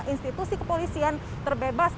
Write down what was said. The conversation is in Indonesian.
institusi kepolisian terbebas